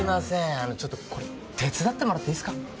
あのちょっとこれ手伝ってもらっていいすか？